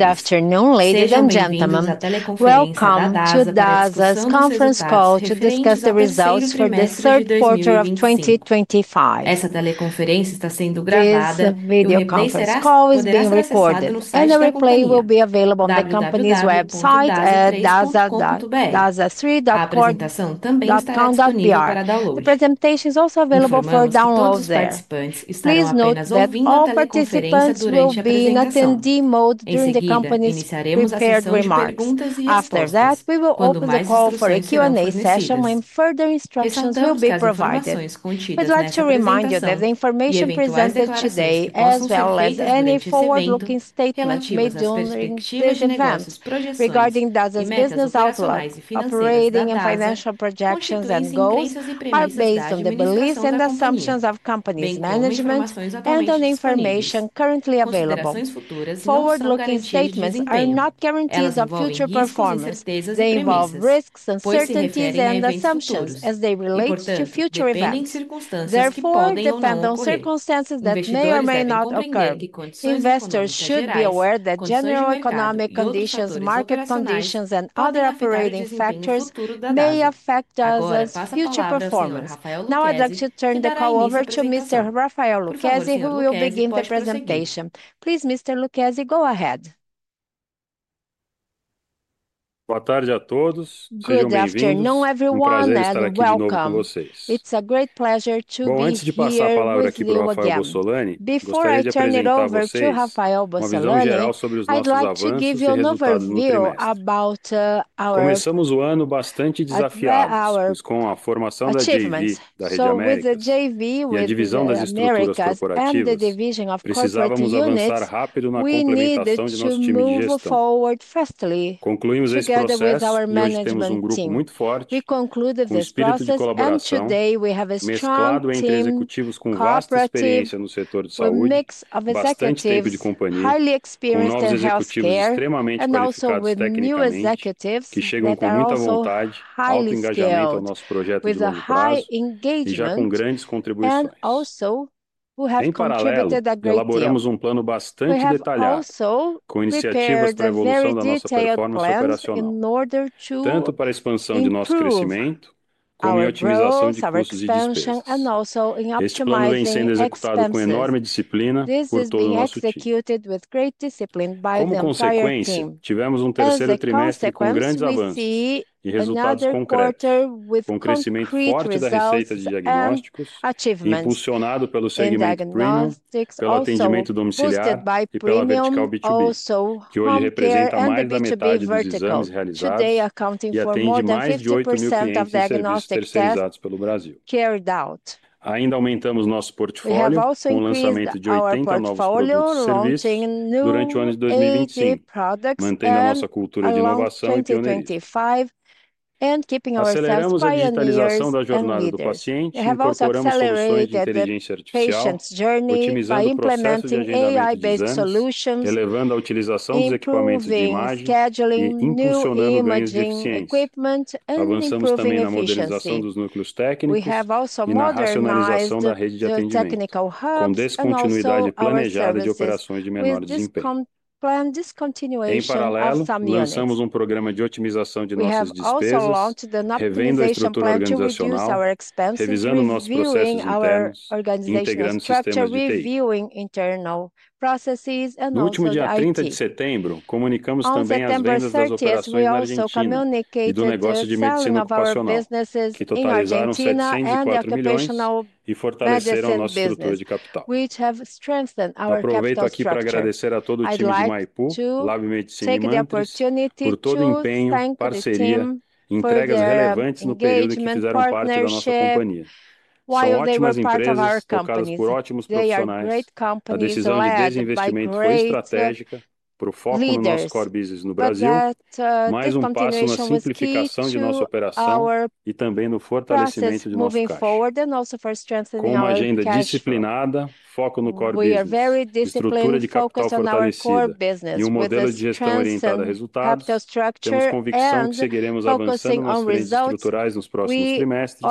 Good afternoon, ladies and gentlemen. Welcome to DASA's conference call to discuss the results for the third quarter of 2025. Esta teleconferência está sendo gravada, and the conference call is being recorded. The replay will be available on the company's website at dasa.org. The presentation is also available for download for participants. Please note that all participants will be in attendee mode during the company's prepared remarks. After that, we will open the call for a Q&A session, when further instructions will be provided. We'd like to remind you that the information presented today, as well as any forward-looking statements made during this event regarding DASA's business outlook, operating, and financial projections and goals, are based on the beliefs and assumptions of company's management and on information currently available. Forward-looking statements are not guarantees of future performance. They involve risks, uncertainties, and assumptions as they relate to future events. Therefore, they depend on circumstances that may or may not occur. Investors should be aware that general economic conditions, market conditions, and other operating factors may affect DASA's future performance. Now, I'd like to turn the call over to Mr. Rafael Lucchese, who will begin the presentation. Please, Mr. Lucchese, go ahead. Boa tarde a todos. Good afternoon, everyone, and welcome. It's a great pleasure to be here with Rafael Bossolani. Before I turn it over to Rafael Bossolani, I'd like to give you an overview about our achievements in the region. E a divisão das estruturas corporativas precisava avançar rápido na comunicação de time de gestão. Concluímos a experiência de grupo muito forte. We concluded this process and today we have a strong network of executives with high competence in the sector, highly experienced in healthcare, and also with new executives que chegam com muita vontade, com alto engajamento ao nosso projeto e já com grandes contribuições. Em paralelo, elaboramos plano bastante detalhado, com iniciativas para a evolução da nossa performance operacional, tanto para a expansão de nosso crescimento como em otimização de custos e despesas. Este plano vem sendo executado com enorme disciplina por todo o nosso time. Como consequência, tivemos terceiro trimestre com grandes avanços e resultados concretos, com crescimento forte da receita de diagnósticos, impulsionado pelo segmento premium, pelo atendimento domiciliar e pela vertical B2B, que hoje representa mais da metade dos exames realizados. Hoje, representando mais de 58% dos exames de diagnóstico realizados pelo Brasil. Ainda aumentamos nosso portfólio com o lançamento de 80 novos serviços durante o ano de 2024, mantendo a nossa cultura de inovação em 2024. Mantendo-nos em atualização da jornada do paciente e do programa de saúde e inteligência artificial, otimizando soluções baseadas em IA, elevando a utilização dos equipamentos de imagem e impulsionando o manejo de eficiência. Avançamos também na modernização dos núcleos técnicos e na racionalização da rede de atendimento, com descontinuidade planejada de operações de menor desempenho. Em paralelo, lançamos programa de otimização de nossas despesas, revendo a estrutura organizacional, revisando nossos processos internos e integrando sistemas de revisão interno. No último dia 30 de setembro, comunicamos também as vendas das operações de inovação e do negócio de medicina ocupacional, que totalizaram R$ 104 milhões e fortaleceram nossa estrutura de capital. Aproveito aqui para agradecer a todo o time de Maipu, LabMedicina, por todo o empenho, parceria e entregas relevantes no período em que fizeram parte da nossa companhia. Foram ótimas empresas e companhias formadas por ótimos profissionais. A decisão de desinvestimento foi estratégica para o foco no nosso core business no Brasil, mais um passo na simplificação de nossa operação e também no fortalecimento de nossa equipe. Com uma agenda disciplinada, foco no core business, estrutura de capital fortalecida e modelo de gestão orientada a resultados, temos convicção de que seguiremos avançando nas metas estruturais nos próximos trimestres,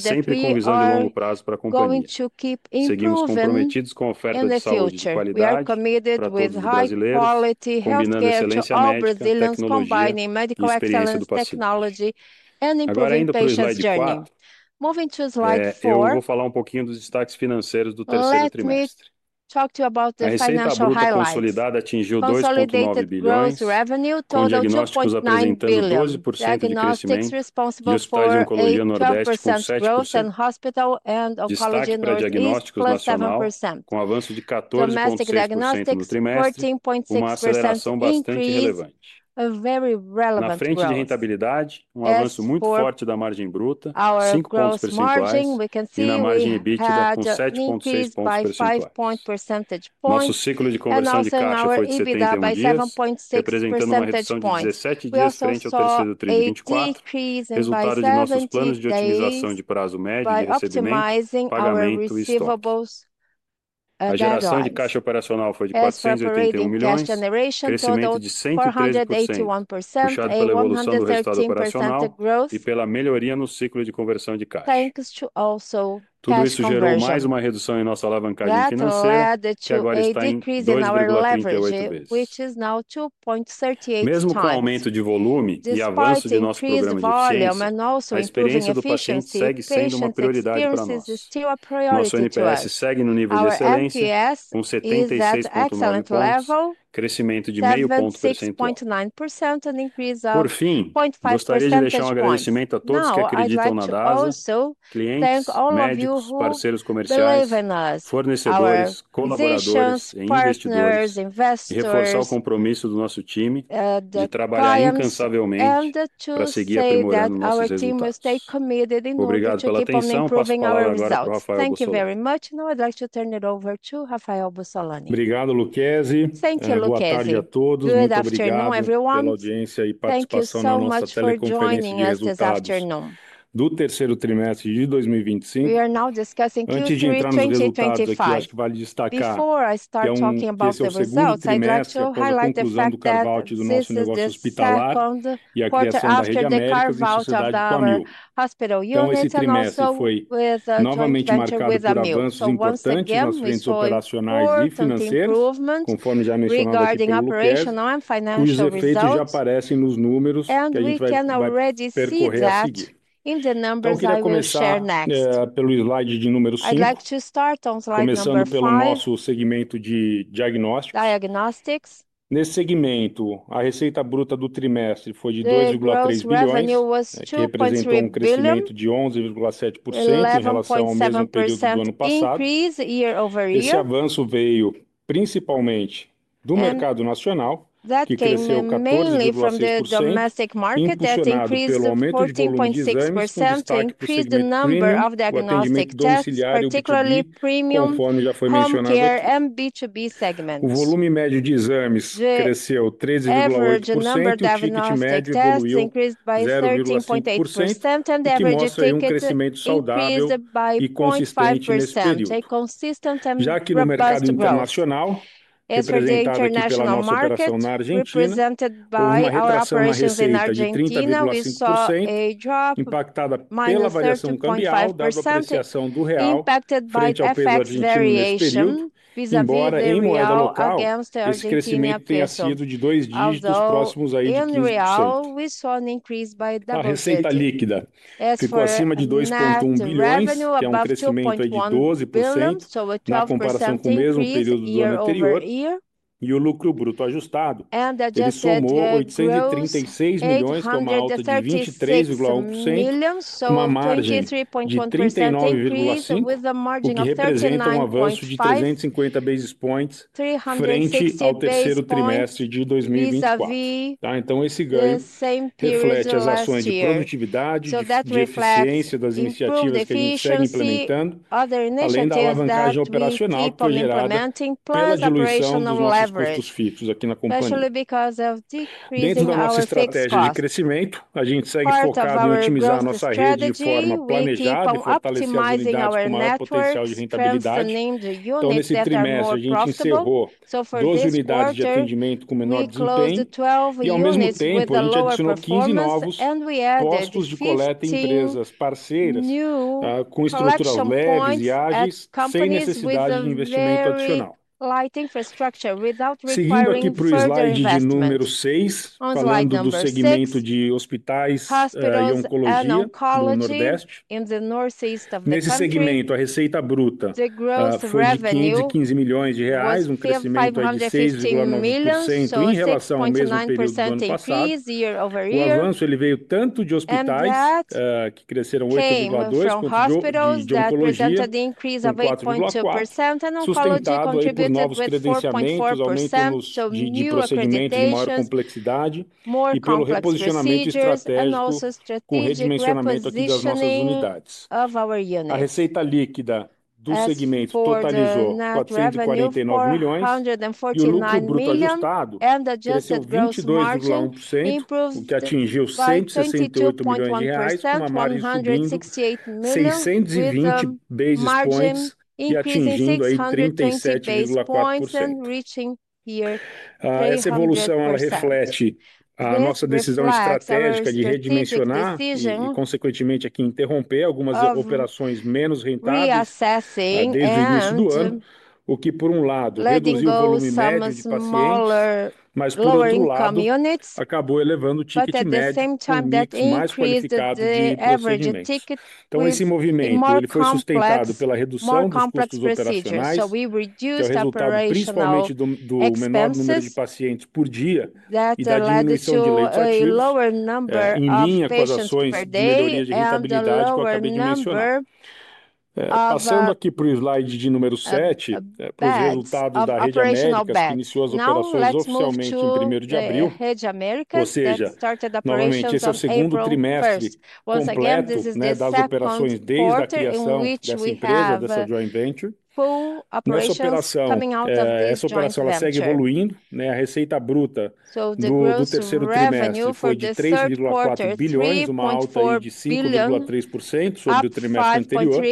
sempre com visão de longo prazo para a companhia. Seguimos comprometidos com a oferta de saúde de qualidade, combinando excelência médica tecnológica com a medicina tecnológica para alimentar essa jornada. Eu vou falar um pouquinho dos destaques financeiros do terceiro trimestre. A receita consolidada atingiu R$ 2,9 bilhões, e diagnósticos apresentaram 13% de crescimento, e os hospitais de oncologia nordeste com 7%, e diagnósticos apresentaram 14%. Com avanço de 14% no terceiro trimestre, 14,6% no período. Na frente de rentabilidade, avanço muito forte da margem bruta, 5 pontos percentuais, e na margem EBITDA com 7,6 pontos percentuais. Nosso ciclo de conversão de caixa foi de 27 dias, representando uma redução de 17 dias frente ao terceiro trimestre de 2023. Resultado de nossos planos de otimização de prazo médio de recebimento, pagamento e estocagem. A geração de caixa operacional foi de R$ 481 milhões, crescimento de 131%, puxado pela evolução da gestão operacional e pela melhoria no ciclo de conversão de caixa. Tudo isso gerou mais uma redução em nossa alavancagem financeira, que agora está em 2,8 vezes, mesmo com o aumento de volume e avanço de nosso programa de saúde. A experiência do paciente segue sendo uma prioridade para nós. Nosso NPS segue no nível de excelência, com 76 pontos no ano, crescimento de 0,5%. Por fim, gostaria de deixar agradecimento a todos que acreditam na DASA: clientes, médicos, parceiros comerciais, fornecedores, colaboradores, investidores, e reforçar o compromisso do nosso time de trabalhar incansavelmente para seguir aprimorando nossos resultados. Obrigado pela atenção. Passo a palavra agora para o Rafael. Thank you very much. Now, I'd like to turn it over to Rafael Bossolani. Obrigado, Lucchese. Boa tarde a todos. Obrigado pela audiência e participação nesta segunda-feira do terceiro trimestre de 2025. Antes de entrar no segundo trimestre, o que acho que vale destacar antes de começar a falar sobre os resultados, gostaria de destacar o fato de que este é o quarto após o carve-out do hospital yield. Esse trimestre foi novamente marcado com avanços em gestões operacionais e financeiras, conforme já mencionado. Os resultados já aparecem nos números que a gente vai percorrer aqui. Vou começar pelo slide de número 5, começando pelo nosso segmento de diagnósticos. Nesse segmento, a receita bruta do trimestre foi de R$ 2,3 bilhões, que representa crescimento de 11,7% em relação ao mesmo período do ano passado. Esse avanço veio principalmente do mercado nacional, que cresceu 14% em relação ao doméstico, incremento de 14,6%. Increased the number of diagnostic tests, particularly premium, conforming to our care and B2B segments. O volume médio de exames cresceu 13,8%. E aí a gente tem uma questão de complexidade de negócios: a questão de conversão de caixa empresarial e de gestão operacional. Impactada pela variação cambial e pela apreciação do real, vis-à-vis em moeda local, esse crescimento tem sido de dois dígitos próximos de 1%. A receita líquida ficou acima de R$ 2,1 bilhões, que é crescimento de 12% na comparação com o mesmo período do ano anterior, e o lucro bruto ajustado somou R$ 836 milhões, que é uma alta de 23,1%, uma margem de 39,5%. Tem avanço de 350 basis points frente ao terceiro trimestre de 2024. Então, esse ganho reflete as ações de produtividade, de eficiência das iniciativas que a gente segue implementando, além da alavancagem operacional que foi gerada pela diluição dos custos fixos aqui na companhia. Dentro da nossa estratégia de crescimento, a gente segue focado em otimizar nossa rede de forma planejada e fortalecer nosso potencial de rentabilidade. Então, nesse trimestre, a gente encerrou 12 unidades de atendimento com menor desempenho e, ao mesmo tempo, a gente adicionou 15 novos postos de coleta em empresas parceiras com estruturas leves e ágeis, sem necessidade de investimento adicional. Seguindo aqui para o slide de número 6, falando do segmento de hospitais e oncologia no nordeste. Nesse segmento, a receita bruta foi de R$ 15 milhões, crescimento de 6,1% em relação ao mesmo período do ano passado. O avanço veio tanto de hospitais, que cresceram 8,2%, como hospitais de oncologia, que incrementaram 8,2%. Sustentou-se em 8,4%, acredito em maior complexidade e pelo reposicionamento estratégico, com o redimensionamento das nossas unidades. A receita líquida do segmento totalizou R$ 449 milhões, com lucro bruto ajustado de 22,1%, o que atingiu R$ 168 milhões, uma margem de 620 basis points, atingindo aí 37,4%. Essa evolução reflete a nossa decisão estratégica de redimensionar e, consequentemente, interromper algumas operações menos rentáveis desde o início do ano, o que, por um lado, reduziu o volume médio de pacientes, mas, por outro lado, acabou elevando o ticket médio de pacientes mais qualificados. Esse movimento foi sustentado pela redução dos custos operacionais, principalmente do número de pacientes por dia, que está em linha com as ações de melhoria de rentabilidade que acabei de mencionar. Passando para o slide número 7, temos os resultados da rede América, que iniciou as operações oficialmente em 1º de abril. Ou seja, atualmente, esse é o segundo trimestre da rede América, das operações desde a criação da empresa, dessa joint venture. Essa operação segue evoluindo. A receita bruta do terceiro trimestre foi de R$ 3,4 bilhões, uma alta de 5,3% sobre o trimestre anterior.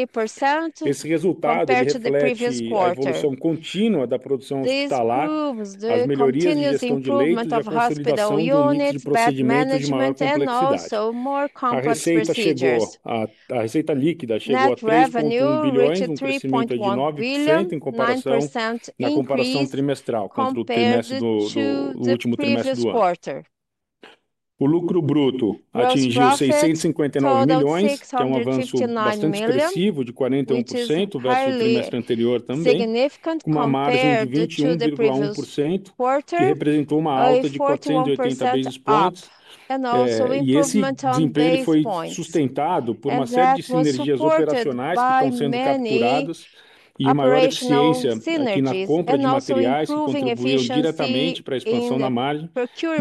Esse resultado é de uma evolução contínua da produção hospitalar. As melhorias na gestão de leitos, hospitais e de procedimentos de manejo são mais complexos. A receita líquida chegou a R$ 3,39 bilhões em comparação na comparação trimestral contra o último trimestre do ano. O lucro bruto atingiu R$ 659 milhões, que é avanço bastante expressivo, de 41%, versus o trimestre anterior também, com uma margem de 21,1%, que representou uma alta de 480 basis points. E esse desempenho foi sustentado por uma série de sinergias operacionais que estão sendo capturadas e a maior eficiência aqui na compra de materiais que contribuíram diretamente para a expansão da margem,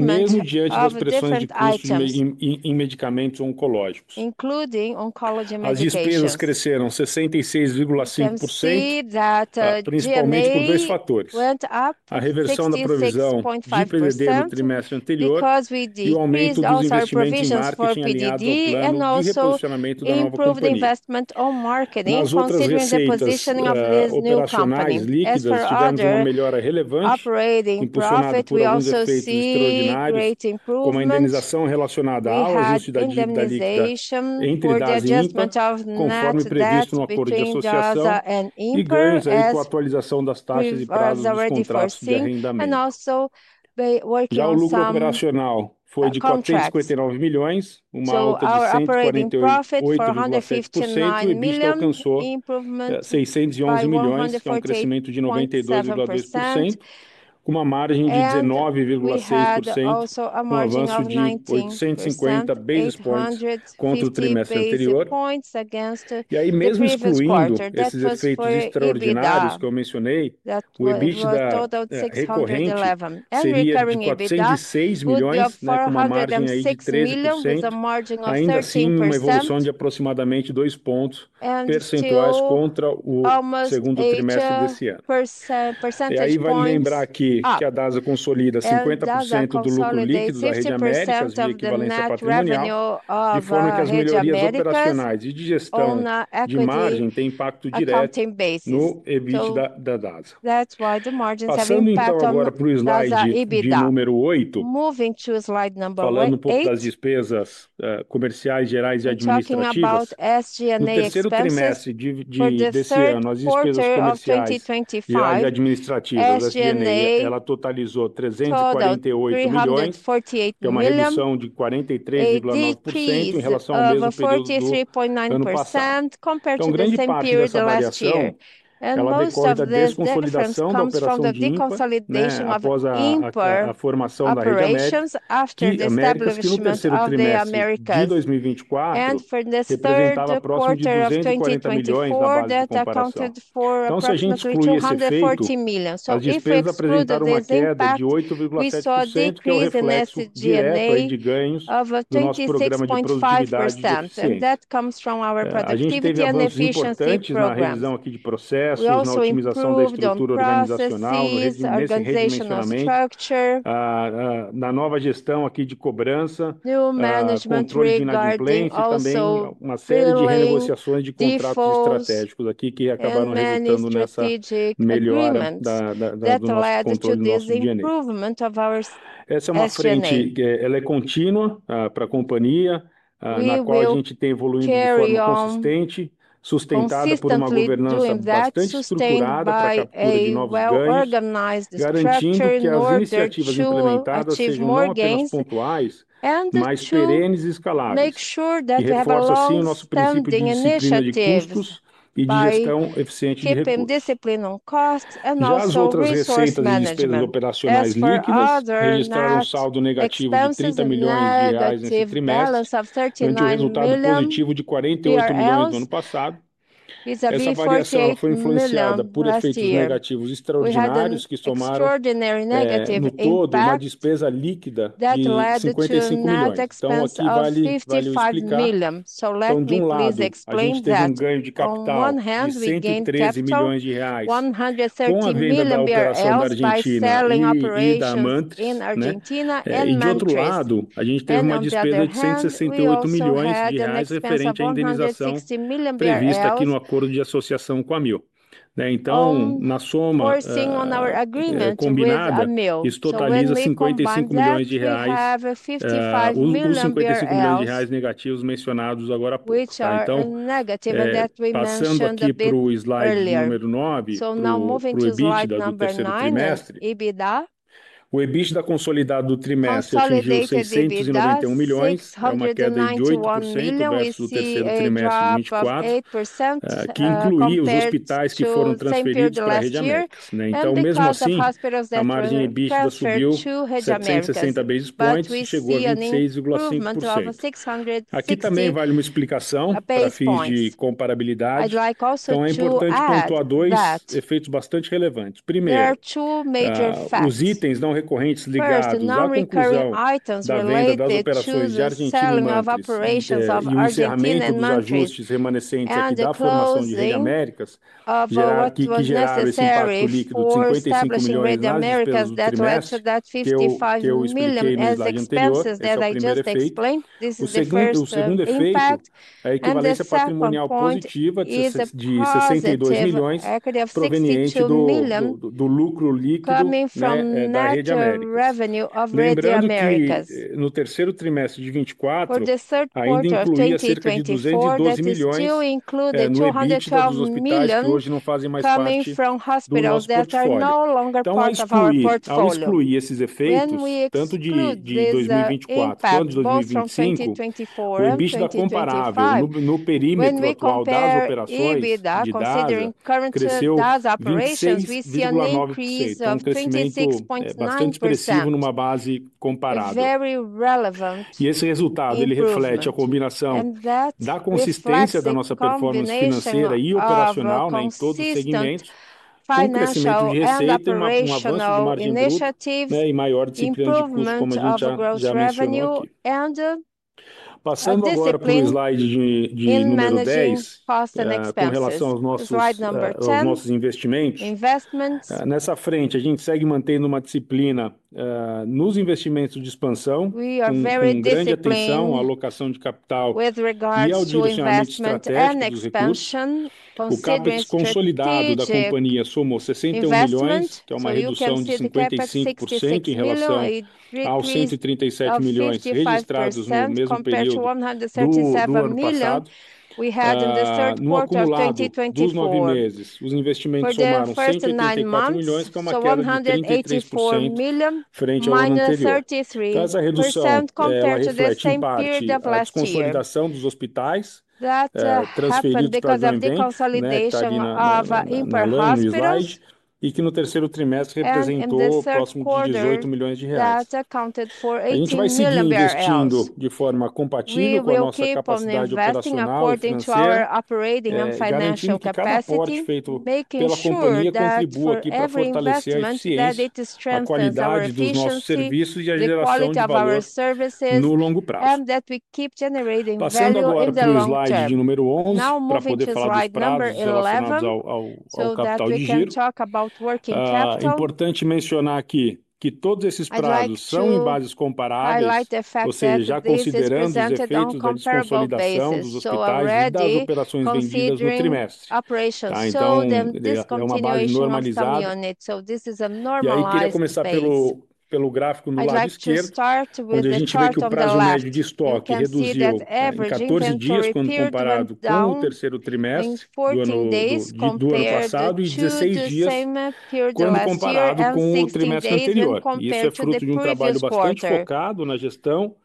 mesmo diante das pressões de custo em medicamentos oncológicos. As despesas cresceram 66,5%, principalmente por dois fatores: a reversão da provisão de PDD no trimestre anterior e o aumento dos investimentos por PDD, e o reposicionamento da nova companhia. No posicionamento desta nova companhia, como parte da nova, a melhora relevante impulsionou esse crescimento extraordinário, como a indenização relacionada à logística de hospitalização, entre dados conforme previsto no acordo de associação, e ganhos aí com a atualização das taxas e prazos de cobrança do rendimento. Já o lucro operacional foi de R$ 459 milhões, uma alta de 148,8%, e o EBITDA alcançou R$ 611 milhões, com crescimento de 92,2%, com uma margem de 19,6%, avanço de 850 pontos base contra o trimestre anterior. Mesmo excluindo esses efeitos extraordinários que eu mencionei, o EBITDA recorrente seria de R$ 406 milhões, uma margem de 13%, ainda assim com uma evolução de aproximadamente 2 pontos percentuais contra o segundo trimestre desse ano. Vale lembrar aqui que a DASA consolida 50% do lucro líquido da rede América, que é a sua equivalência patrimonial, de forma que as melhorias operacionais e de gestão de margem têm impacto direto no EBITDA da DASA. Passando então agora para o slide de número 8, falando um pouquinho das despesas comerciais gerais e administrativas, no terceiro trimestre desse ano, as despesas comerciais e administrativas da rede América totalizaram R$ 348 milhões, que é uma redução de 43,9% em relação ao mesmo período do ano passado, com grande tempo de consolidação da operação de consolidação de receita na formação da rede América. Se a gente continua a ver a rede América em 2024, a gente continua a ver uma redução de 8,4%. Isso vem do nosso programa de produtividade e eficiência, e também de processos, de otimização da estrutura organizacional, de estrutura de cobrança, de direitos de gestão e também uma série de negociações de contratos estratégicos aqui que acabaram resultando nessa melhora da rede América. Essa é uma frente que ela é contínua para a companhia, na qual a gente tem evoluído de forma consistente, sustentada por uma governança bastante estruturada para a captura de novos ganhos, garantindo que as iniciativas implementadas sejam mais pontuais, mais perenes e escaláveis. E aí vem o nosso princípio de eficiência de custos e de gestão eficiente de recursos. Já as outras receitas de despesas operacionais líquidas registraram saldo negativo de R$ 30 milhões nesse trimestre, tendo resultado positivo de R$ 48 milhões no ano passado. Essa informação foi influenciada por efeitos negativos extraordinários que somaram, no todo, uma despesa líquida de R$ 55 milhões. Então, aqui vale especificar que a gente teve ganho de capital de R$ 113 milhões, com uma divergência de R$ 113 milhões na operação de vendas da Mantra em Argentina. E, de outro lado, a gente teve uma despesa de R$ 168 milhões referente à indenização prevista aqui no acordo de associação com a Amil. Então, na soma combinada, isso totaliza R$ 55 milhões, os R$ 1,55 milhões negativos mencionados agora há pouco. Passando aqui para o slide de número 9, sobre o EBITDA do terceiro trimestre. O EBITDA consolidado do trimestre atingiu R$ 691 milhões, uma queda de 8% no terceiro trimestre de 2024, que inclui os hospitais que foram transferidos para a rede Amil. Então, mesmo assim, a margem EBITDA subiu 760 basis points e chegou a 26,5%. Aqui também vale uma explicação a fins de comparabilidade. Então, é importante pontuar dois efeitos bastante relevantes. Primeiro, os itens não recorrentes ligados ao concluir da venda das operações de Argentina e os ajustes remanescentes aqui da formação de rede Américas geraram aqui desequilíbrio de R$ 55 milhões de reais. That's R$ 55 million as expenses that I just explained. This is the first impact. A equivalência patrimonial positiva de R$ 62 milhões, proveniente do lucro líquido que vem da rede América. No terceiro trimestre de 2024, a indenização de R$ 222 milhões, que hoje não fazem mais parte, então excluir esses efeitos, tanto de 2024 quanto de 2025, o EBITDA comparável no perímetro atual das operações cresceu bastante numa base comparável. Esse resultado reflete a combinação da consistência da nossa performance financeira e operacional em todos os segmentos, com o crescimento de receita e avanço de margem bruta e maior disciplina de custos, como a gente já mencionou. Passando agora para o slide de número 10, com relação aos nossos investimentos, nessa frente a gente segue mantendo uma disciplina nos investimentos de expansão. A grande atenção à alocação de capital e ao dividend investment é necessária. O capex consolidado da companhia somou R$ 61 milhões, que é uma redução de 55% em relação aos R$ 137 milhões registrados no mesmo período do último trimestre. Os investimentos somaram R$ 69 milhões, que é uma queda de R$ 184 milhões, frente a uma redução de 33% comparado com o mesmo período do ano passado. A consolidação dos hospitais transferidos de hospitais e que no terceiro trimestre representou próximo de R$ 18 milhões de reais. A gente vai seguir investindo de forma compatível com a nossa capacidade operacional e com a nossa capacidade financeira. O que a gente fez pela companhia contribuiu aqui para fortalecer a eficiência e a qualidade dos nossos serviços e a geração de qualidade de serviços no longo prazo. Passando agora para o slide de número 11, para poder falar do capital líquido. É importante mencionar aqui que todos esses prazos são em bases comparáveis, ou seja, já considerando os efeitos da consolidação dos hospitais e das operações vendidas no trimestre. Então, aí a gente vai ver o equilíbrio normalizado. E aí queria começar pelo gráfico no lado esquerdo. A gente vê que o prazo médio de estoque reduziu em 14 dias quando comparado com o terceiro trimestre do ano passado e 16 dias quando comparado com o trimestre anterior. Isso é fruto de trabalho bastante focado na gestão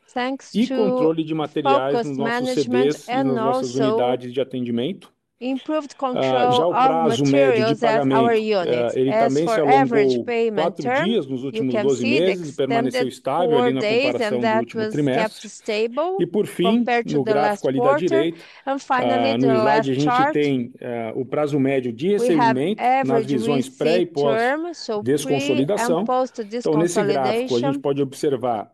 e controle de materiais nos nossos serviços e nas nossas unidades de atendimento. Já o prazo médio de pagamento, ele também se alongou 4 dias nos últimos 12 meses, permaneceu estável ali na comparação do último trimestre. Por fim, no gráfico ali da direita, no primeiro slide, a gente tem o prazo médio de recebimento nas visões pré e pós desconsolidação. Então, nesse gráfico, a gente pode observar,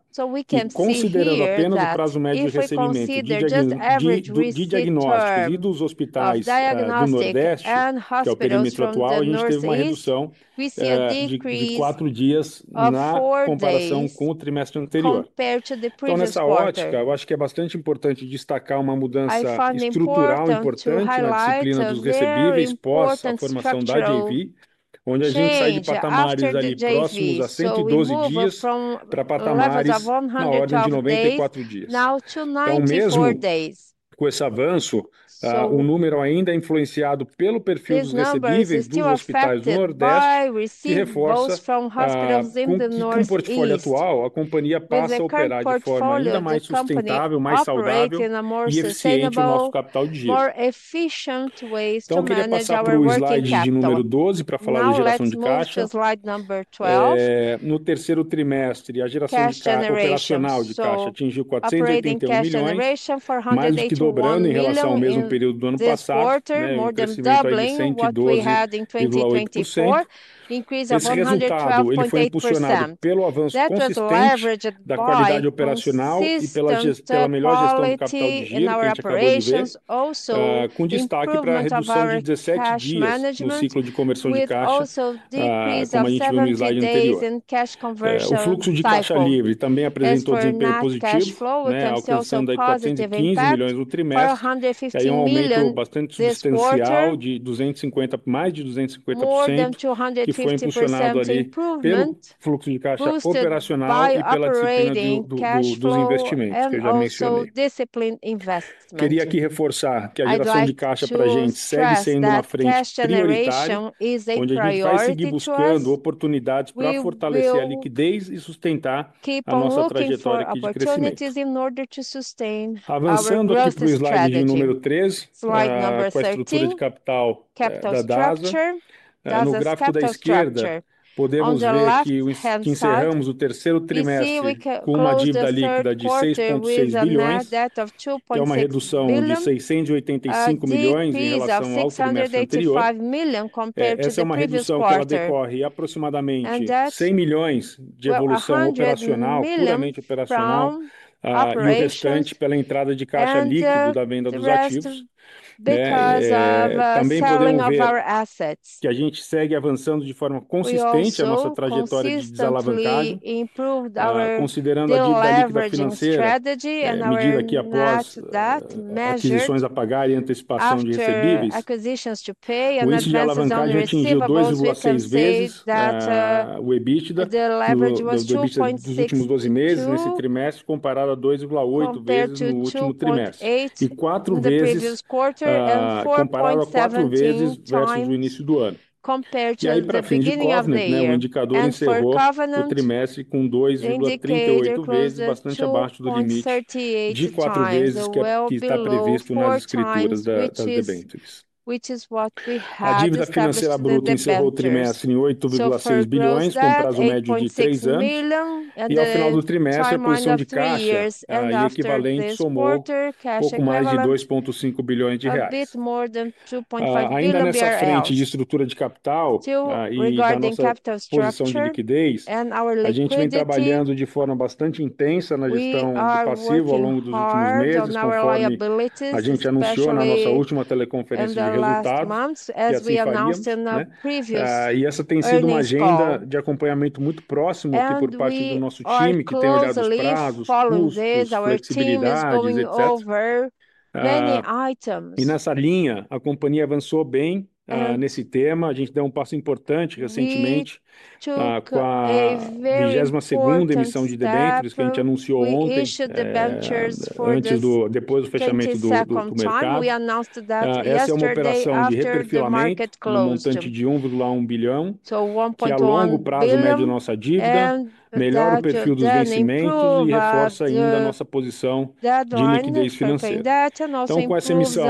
considerando apenas o prazo médio de recebimento de diagnóstico e dos hospitais do nordeste, que é o perímetro atual, a gente teve uma redução de 4 dias na comparação com o trimestre anterior. Então, nessa ótica, eu acho que é bastante importante destacar uma mudança estrutural importante na disciplina dos recebíveis pós-conformação da JV, onde a gente sai de patamares ali próximos a 112 dias para patamares na ordem de 94 dias. Então, mesmo com esse avanço, o número ainda é influenciado pelo perfil dos recebíveis dos hospitais do nordeste, que reforça que o portfólio atual a companhia passa a operar de forma ainda mais sustentável, mais saudável e eficiente do nosso capital de giro. Queria começar pelo slide de número 12 para falar da geração de caixa. No terceiro trimestre, a geração de caixa operacional atingiu R$ 481 milhões, mais que dobrando em relação ao mesmo período do ano passado, com desequilíbrio de R$ 112 milhões em 2024. A geração operacional foi impulsionada pelo avanço da qualidade operacional e pela melhor gestão do capital de giro, com destaque para a redução de 17 dias no ciclo de conversão de caixa. O fluxo de caixa livre também apresentou desempenho positivo, com uma alta de R$ 415 milhões no trimestre, aumento bastante substancial de mais de 250%, que foi impulsionado pelo fluxo de caixa operacional e pela disciplina dos investimentos que eu já mencionei. Queria aqui reforçar que a geração de caixa para a gente segue sendo uma frente prioritária, onde a gente vai seguir buscando oportunidades para fortalecer a liquidez e sustentar a nossa trajetória de crescimento. Avançando para o slide de número 13, com a estrutura de capital da DASA. No gráfico da esquerda, podemos ver que encerramos o terceiro trimestre com uma dívida líquida de R$ 6,6 bilhões, que é uma redução de R$ 685 milhões em relação ao trimestre anterior. Essa é uma redução que decorre de aproximadamente R$ 100 milhões de evolução operacional, puramente operacional, e o restante pela entrada de caixa líquido da venda dos ativos. Também podemos ver que seguimos avançando de forma consistente a nossa trajetória de desalavancagem, considerando a dívida líquida financeira, medida aqui após aquisições a pagar e antecipação de recebíveis. O índice de alavancagem atingiu 2,6 vezes o EBITDA nos últimos 12 meses nesse trimestre, comparado a 2,8 vezes no último trimestre e 4 vezes na comparação do início do ano. Para fim de novembro, o indicador encerrou o trimestre com 2,38 vezes, bastante abaixo do limite de 4 vezes que está previsto nas escrituras das debêntures. A dívida financeira bruta encerrou o trimestre em R$ 8,6 bilhões, com prazo médio de 3 anos. E ao final do trimestre, a posição de caixa equivalente somou pouco mais de R$ 2,5 bilhões. Ainda nessa frente de estrutura de capital e posição de liquidez, a gente vem trabalhando de forma bastante intensa na gestão de passivo ao longo dos últimos meses, conforme a gente anunciou na nossa última teleconferência de resultados. Essa tem sido uma agenda de acompanhamento muito próximo aqui por parte do nosso time, que tem olhado os prazos, os custos, flexibilidades, etc. Nessa linha, a companhia avançou bem nesse tema. A gente deu passo importante recentemente com a 22ª emissão de debêntures, que a gente anunciou ontem, depois do fechamento do mercado. Essa é uma operação de reperfilamento no montante de R$ 1,1 bilhão, que a longo prazo mede a nossa dívida, melhora o perfil dos vencimentos e reforça ainda a nossa posição de liquidez financeira. Então, com essa emissão,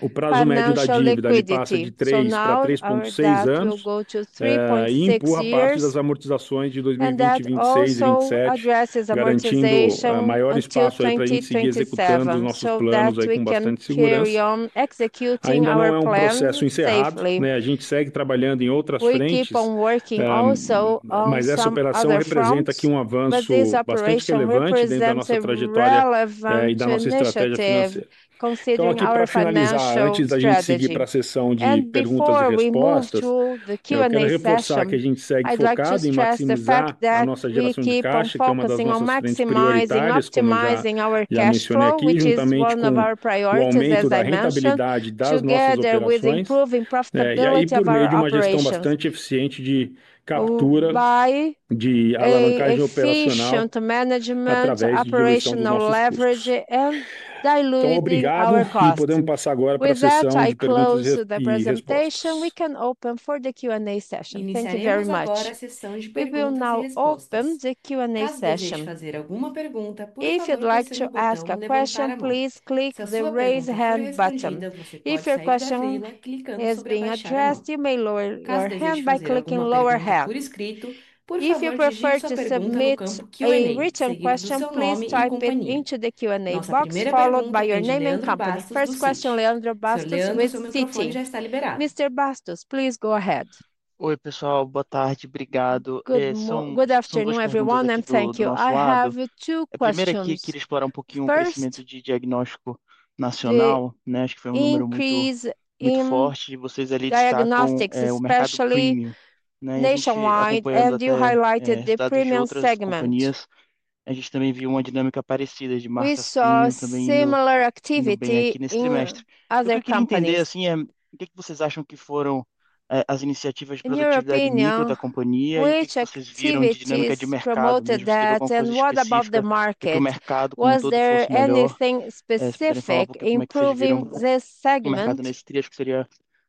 o prazo médio da dívida passa de 3 para 3,6 anos, postergando a parte das amortizações de 2025, 2026 e 2027, garantindo maior espaço para a gente seguir executando os nossos planos com bastante segurança. O processo foi encerrado. A gente segue trabalhando em outras frentes, mas essa operação representa um avanço bastante relevante dentro da nossa trajetória e da nossa estratégia financeira. Antes da gente seguir para a sessão de perguntas e respostas, queria reforçar que a gente segue focado em maximizar a nossa geração de caixa, com uma atenção máxima no nosso cash management e também na rentabilidade das nossas operações. A gente veio de uma gestão bastante eficiente de captura de alavancagem operacional através de operational leverage. Então, podemos passar agora para a sessão de encerramento da apresentação. Muito obrigado. We will now open the Q&A session. Se você quiser fazer alguma pergunta, please click the raise hand button. If your question is being addressed, you may lower your hand by clicking lower hand. If you prefer to submit a written question, please type it into the Q&A box, followed by your name and company. First question, Leandro Bastos with Citi. Mr. Bastos, please go ahead. Oi, pessoal, boa tarde, obrigado. Good afternoon, everyone, and thank you. I have two questions. Eu lembrei aqui que ele explorou um pouquinho o investimento de diagnóstico nacional, né? Acho que foi número muito forte de vocês ali de estatística, especially nationwide, and you highlighted the premium segment. A gente também viu uma dinâmica parecida de marketing e também similar activity aqui nesse trimestre. Então, para entender assim, o que que vocês acham que foram as iniciativas de produtividade do nível da companhia? O que vocês viram de dinâmica de mercado? What about the market? O mercado, como vocês viram? Was there anything specific improving this segment? Nesse trimestre, que seria.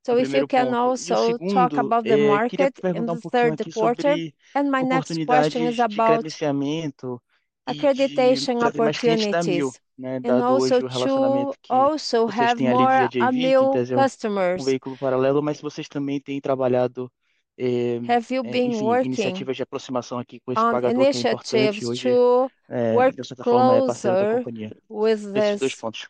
So if you can also talk about the market in the third quarter. And my next question is about acreditation opportunities. And also to also have more customers. Mas vocês também têm trabalhado em iniciativas de aproximação aqui com esses pagadores? Initiatives to work closer with them. Esses dois pontos.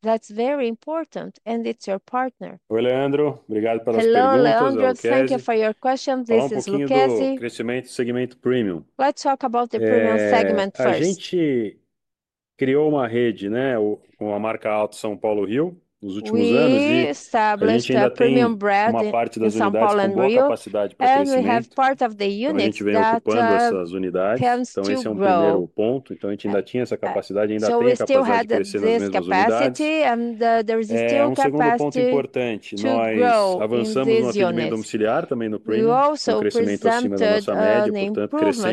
Obrigada. That's very important, and it's your partner. Oi, Leandro, obrigado pelas perguntas. Thank you for your questions. Esse é o segmento premium. Let's talk about the premium segment first. A gente criou uma rede, né? Uma marca alta em São Paulo e Rio, nos últimos anos. We established a premium brand in São Paulo and Rio. And we have part of the units. A gente vem ocupando essas unidades. Então, esse é o primeiro ponto. Então, a gente ainda tinha essa capacidade, ainda tem capacidade de crescimento muito importante. Nós avançamos no atendimento domiciliar, também no premium. O crescimento acima da média, portanto, crescendo.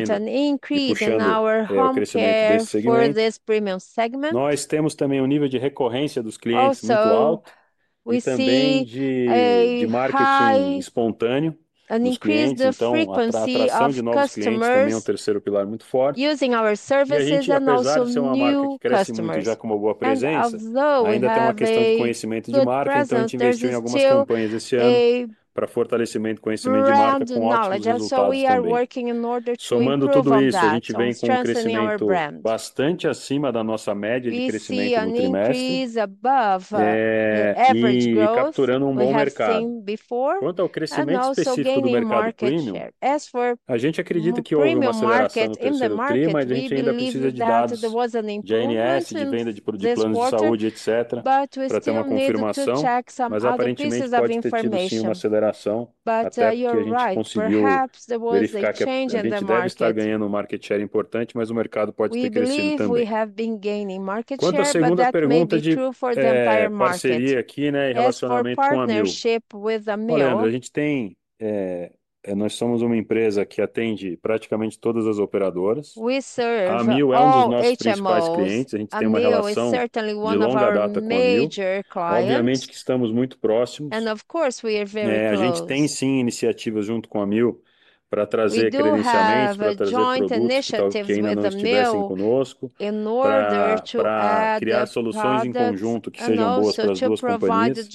Nós temos também nível de recorrência dos clientes muito alto. E também de marketing espontâneo. A gente também tem terceiro pilar muito forte, uma marca que cresce muito já como boa presença. Ainda tem uma questão de conhecimento de marca, então a gente investiu em algumas campanhas esse ano para fortalecimento e conhecimento de marca com ótima gestão. Somando tudo isso, a gente vem com crescimento bastante acima da nossa média de crescimento no trimestre. E capturando bom mercado. Quanto ao crescimento específico do mercado premium, a gente acredita que houve uma aceleração do crescimento do clima. A gente ainda precisa de dados de ANS, de venda de planos de saúde, etc., para ter uma confirmação. Mas, aparentemente, a gente já tinha uma aceleração até aí onde a gente conseguiu verificar que a companhia deve estar ganhando market share importante, mas o mercado pode ter crescido também. Quanto à segunda pergunta de parceria aqui, né, em relacionamento com a Mew. Leandro, a gente tem, é, nós somos uma empresa que atende praticamente todas as operadoras. A Mew é dos nossos principais clientes. A gente tem uma relação de longa data com a Mew. Obviamente que estamos muito próximos. E claro, estamos muito próximos. A gente tem, sim, iniciativas junto com a Mew para trazer credenciamento, para trazer crescimento de clientes assim conosco. Enorme para criar soluções em conjunto que sejam boas para as duas companhias.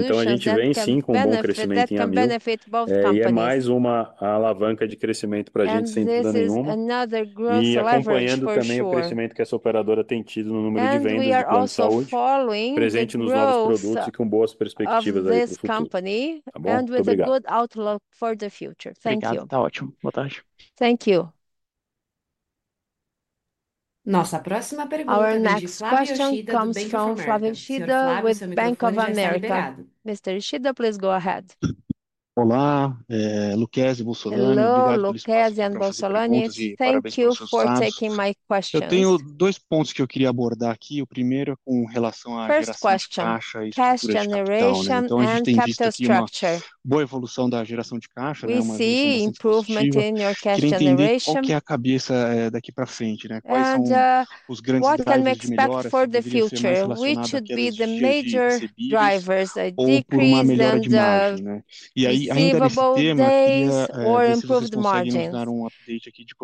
Então, a gente vem, sim, com bom crescimento em ambiente. É mais uma alavanca de crescimento para a gente, sem dúvida nenhuma. Acompanhando também o crescimento que essa operadora tem tido no número de vendas com a saúde, presente nos novos produtos e com boas perspectivas ali para o futuro. And with a good outlook for the future. Obrigado, está ótimo. Boa tarde. Thank you. Nossa próxima pergunta comes from Flavio Chida with Bank of America. Mr. Chida, please go ahead. Olá, é Lucchesi Bolsonani. Hello, Lucchesi and Bolsonani. Thank you for taking my question. Eu tenho dois pontos que eu queria abordar aqui. O primeiro é com relação à geração de caixa, cash generation and capital structure. Boa evolução da geração de caixa. We see improvement in your cash generation. Qual que é a cabeça daqui para frente, né? Quais são os grandes pontos? What can we expect for the future? Which should be the major drivers? Decrease in the feasibility or improved margin.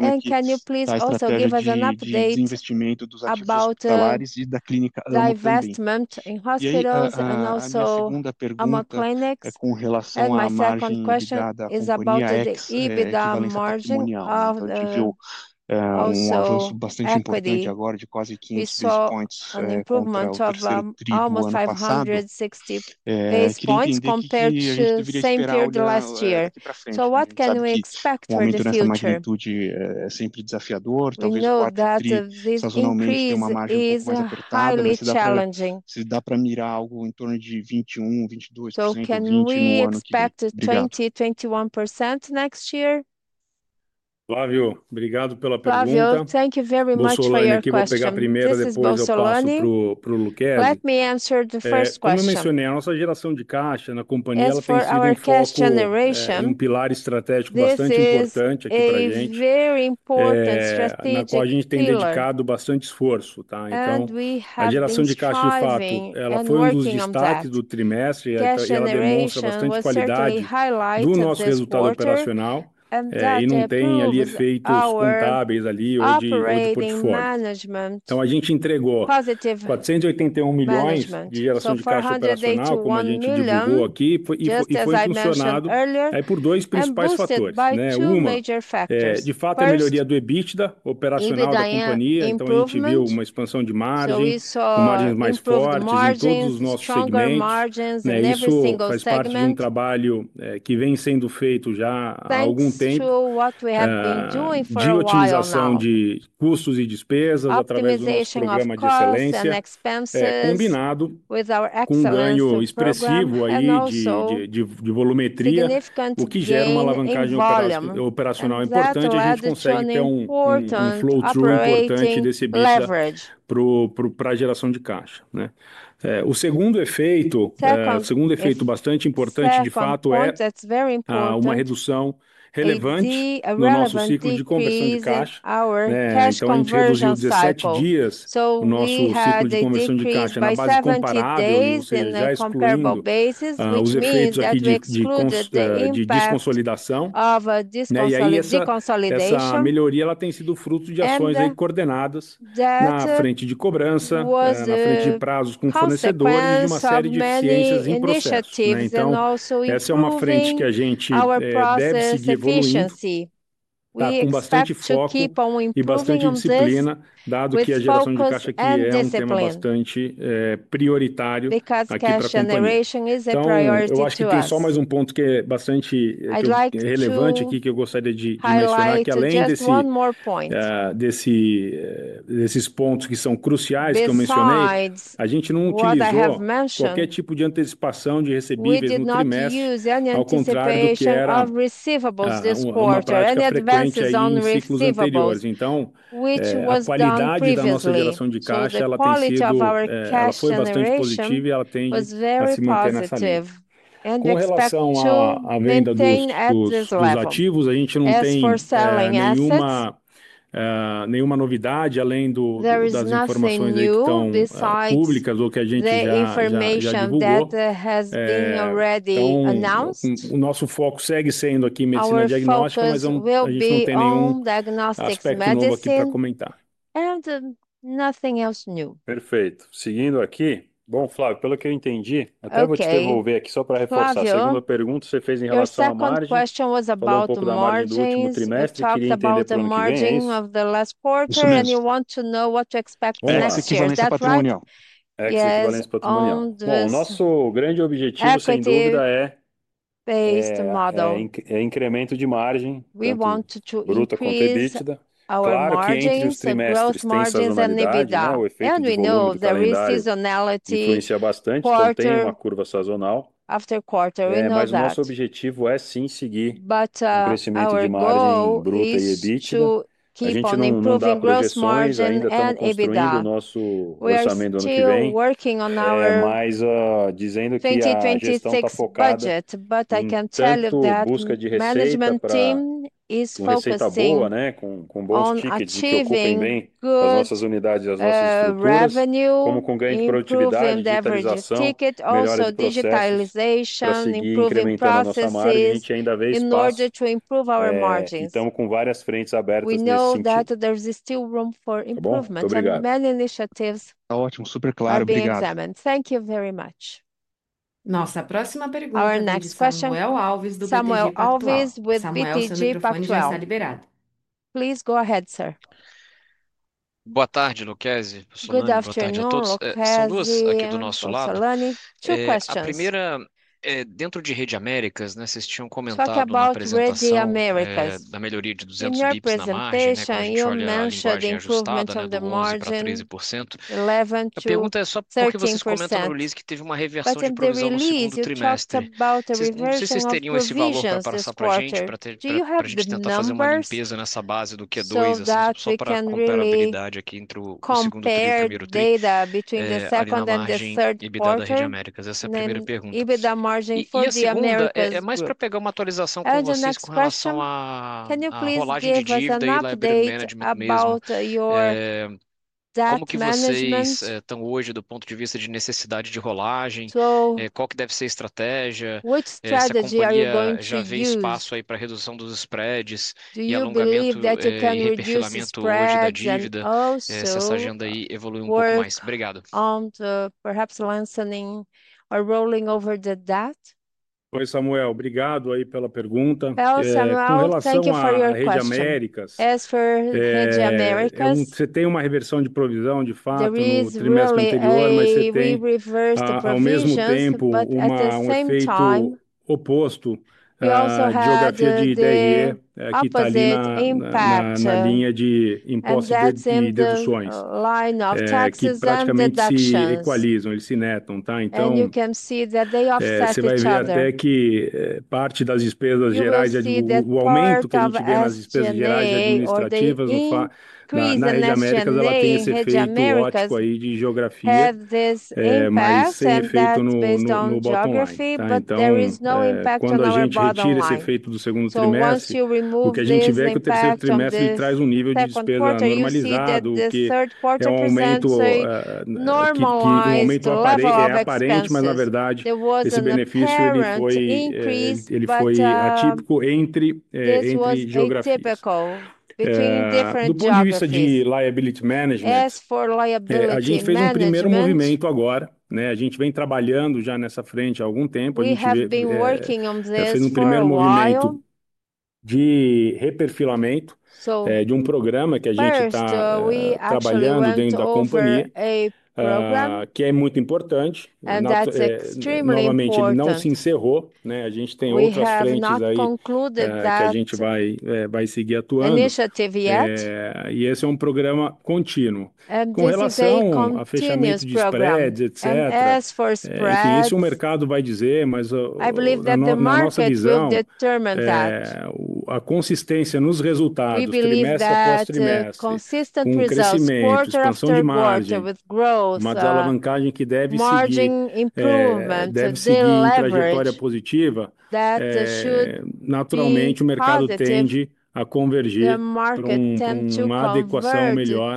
And can you please also give us an update about the investment in hospitals and also clinics? And my second question is about the EBITDA margin. A gente viu avanço bastante importante agora de quase 15 basis points. So, an improvement of almost 560 basis points compared to the same period last year. So, what can we expect for the future? O crescimento de liquidez é sempre desafiador. Talvez o valor da dívida seja incrível, mas é ponto muito importante. Se dá para mirar algo em torno de 21%, 22%. So, can we expect 20%, 21% next year? Flavio, obrigado pela pergunta. Flavio, thank you very much for your question. Vamos pegar a primeira, depois eu passo para o Lucchesi. Let me answer the first question. Como eu mencionei, a nossa geração de caixa na companhia, ela tem sido pilar estratégico bastante importante aqui para a gente. Então, a gente tem dedicado bastante esforço. Então, a geração de caixa, de fato, ela foi dos destaques do trimestre e ela demonstra bastante qualidade do nosso resultado operacional. E não tem ali efeitos contábeis ali ou de portfólio. Então, a gente entregou R$ 481 milhões de geração de caixa operacional, como a gente divulgou aqui, e foi impulsionado por dois principais fatores. Uma, de fato, é a melhoria do EBITDA operacional da companhia. Então, a gente viu uma expansão de margem, com margens mais fortes em todos os nossos segmentos. Isso faz parte do trabalho que vem sendo feito já há algum tempo, de otimização de custos e despesas através do programa de excelência. Combinado com ganho expressivo de volumetria, o que gera uma alavancagem operacional importante. A gente consegue ter flow-through importante desse EBITDA para a geração de caixa. O segundo efeito bastante importante, de fato, é uma redução relevante no nosso ciclo de conversão de caixa. Então, em termos de 17 dias, o nosso ciclo de conversão de caixa na base compatível, já excluindo os efeitos aqui de exclusão e de desconsolidação. E essa melhoria, ela tem sido fruto de ações coordenadas na frente de cobrança, na frente de prazos com fornecedores e de uma série de eficiências em processo. Então, essa é uma frente que a gente deve seguir evoluindo, com bastante foco e bastante disciplina, dado que a geração de caixa aqui é ponto bastante prioritário aqui para a companhia. Eu acho que tem só mais um ponto que é bastante relevante aqui, que eu gostaria de mencionar, que além desses pontos que são cruciais que eu mencionei, a gente não utilizou qualquer tipo de antecipação de recebíveis no trimestre. Ao contrário, a gente reduziu os recebíveis neste trimestre e os adiantamentos sobre recebíveis. Então, a qualidade da nossa geração de caixa, ela tem sido, ela foi bastante positiva e ela tem para se manter nessa linha. E com expectativa mantida neste nível. Nos ativos, a gente não tem nenhuma novidade, além das informações aí que estão públicas ou que a gente já tem. O nosso foco segue sendo aqui medicina diagnóstica, mas a gente não tem nenhum aspecto novo aqui para comentar. Perfeito. Seguindo aqui, bom, Flavio, pelo que eu entendi, até vou te devolver aqui só para reforçar a segunda pergunta que você fez em relação à margem do último trimestre, queria entender pouquinho. Excelente patrimônio. Bom, o nosso grande objetivo, sem dúvida, é o incremento de margem bruto com EBITDA. Claro que a gente tem que ser mais sustentável e a gente sabe que a sazonalidade influencia bastante, porque tem uma curva sazonal. Na verdade, o nosso objetivo é, sim, seguir o crescimento de margem bruta e EBITDA. A gente está fazendo o nosso orçamento do ano que vem. We're working on our mais dizendo que a gente vai focar but I can tell you that our management team is você está sendo boa, né? Com boas equipes que estão vindo também, com as nossas unidades e as nossas estruturas, como com ganho de produtividade, com otimização. We are also digitalization, improving processes, in order to improve our margins. Então, com várias frentes abertas no sentido. We know that there is still room for improvement. Muito obrigado. Many initiatives. Está ótimo, super claro, obrigado. Thank you very much. Nossa próxima pergunta é do Samuel Alves. Samuel Alves with BTG Pactual. Please go ahead, sir. Boa tarde, Lucchesi. Boa tarde a todos os nossos alunos. Two questions. A primeira é dentro de rede Américas, né? Vocês tinham comentado sobre a melhoria de 200 bits na representação. You mentioned the improvement of the margin. 13%. A pergunta é só porque vocês comentam no LIS que teve uma reversão de valor no último trimestre. Vocês teriam esse valor para essa parte aqui? Do que vocês estão fazendo uma limpeza nessa base do Q2, só para comparar a habilidade aqui entre o segundo trimestre e o primeiro trimestre? Between the second and the third quarter. Essa é a primeira pergunta. EBITDA margin for the Americas. É mais para pegar uma atualização como vocês estão fazendo. Can you please give us an update about your como que vocês estão hoje do ponto de vista de necessidade de rolagem? Qual que deve ser a estratégia? Which strategy are you going to use? Espaço aí para a redução dos spreads e alongamento da dívida. E essa agenda aí evolui pouco mais. Obrigado. And perhaps rolling over the debt. Oi, Samuel, obrigado aí pela pergunta. Você tem uma reversão de provisão, de fato, no trimestre anterior, mas você tem ao mesmo tempo o oposto, a provisão de IDE, que está ali na linha de impostos e deduções. Exatamente, eles se equalizam, eles se netam, tá? Então, você pode ver até que parte das despesas gerais de administração, o aumento que a gente vê nas despesas gerais administrativas, no fato que a rede Américas, ela tem esse efeito típico aí de geografia. Mas não há impacto na hora de discutir esse efeito do segundo trimestre. O que a gente vê é que o terceiro trimestre traz nível de despesa normalizado, que é aumento aparente, mas na verdade esse benefício ele foi atípico entre geografias. Do ponto de vista de liability management, a gente fez primeiro movimento agora, né? A gente vem trabalhando já nessa frente há algum tempo. Fez primeiro movimento de reperfilamento de programa que a gente está trabalhando dentro da companhia, que é muito importante. Novamente, ele não se encerrou, né? A gente tem outras frentes aí que a gente vai seguir atuando. Esse é programa contínuo. Com relação a fechamento de spreads, etc., isso o mercado vai dizer, mas a nossa visão é a consistência nos resultados trimestre após trimestre. Mas a alavancagem deve seguir uma trajetória positiva e naturalmente o mercado tende a convergir numa adequação melhor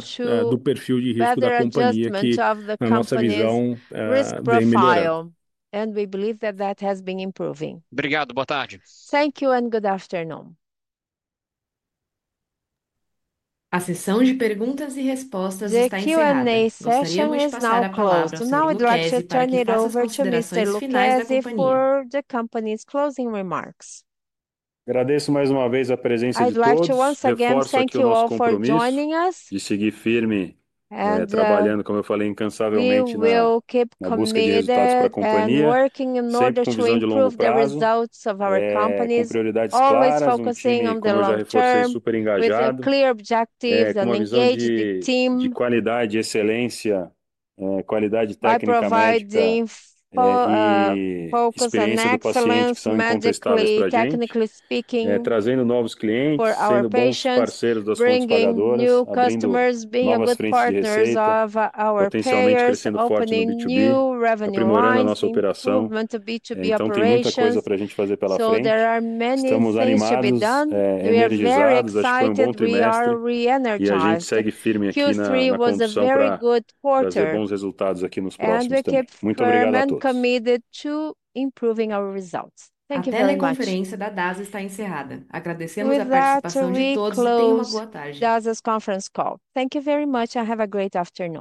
do perfil de risco da companhia que a nossa visão é bem melhor. And we believe that that has been improving. Obrigado, boa tarde. Thank you and good afternoon. A sessão de perguntas e respostas está encerrada. The Q&A session is now closed. Now, I'd like to turn it over to Mr. Lucchesi for the company's closing remarks. Agradeço mais uma vez a presença de todos. Thank you all for joining us. De seguir firme e trabalhando, como eu falei, incansavelmente na busca de resultados para a companhia. We are working in order to improve the results of our companies. Com prioridades claras, com reforço super engajado. With clear objectives and engaged teams. De qualidade, excelência, qualidade técnica. Providing focus on excellence, technically speaking. Trazendo novos clientes, sendo bons parceiros das companhias. New customers, being good partners of our company. Potencialmente crescendo forte em B2B, aprimorando nossa operação. We have a lot of things to do. Então, tem muita coisa para a gente fazer pela frente. So there are many things to be done. We are very excited to be re-energized. E a gente segue firme aqui na. Q3 was a very good quarter. Teve bons resultados aqui nos próximos meses. Muito obrigado a todos. And we are committed to improving our results. Thank you very much. A conferência da DASA está encerrada. Agradecemos a participação de todos e tenham uma boa tarde. DASA's conference call. Thank you very much. Have a great afternoon.